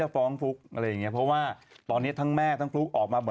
เพราะว่าตอนนี้ทั้งแม่ทั้งฟลุ๊กออกมา